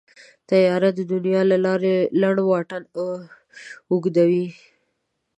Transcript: طیاره د اسمان له لارې لنډ واټن اوږدوي.